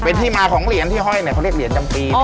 เป็นที่มาของเหรียญที่ห้อยเนี่ยเขาเรียกเหรียญจำปี